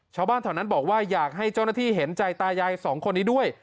ชาวบ้านแถวนั้นบอกว่าอยากให้เจ้าหน้าที่เห็นใจตายายสองคนนี้ด้วย